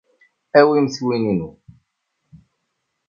Awimt win-inu.